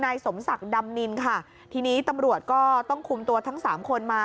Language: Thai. นายสมศักดิ์ดำนินค่ะทีนี้ตำรวจก็ต้องคุมตัวทั้งสามคนมา